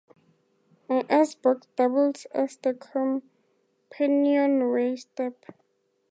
A icebox doubles as the companionway step.